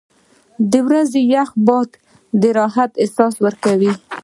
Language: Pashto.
• د ورځې یخ باد د راحت احساس ورکوي.